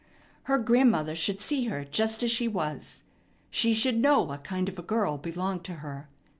Her grandmother should see her just as she was. She should know what kind of a girl belonged to her.